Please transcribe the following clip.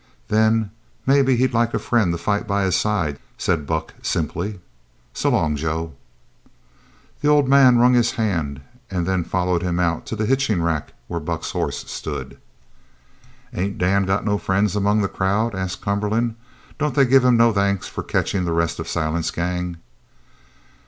"Then maybe he'd like a friend to fight by his side," said Buck simply. "So long, Joe!" The old man wrung his hand and then followed him out to the hitching rack where Buck's horse stood. "Ain't Dan got no friends among the crowd?" asked Cumberland. "Don't they give him no thanks for catching the rest of Silent's gang?"